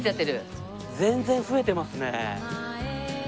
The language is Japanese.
全然増えてますね。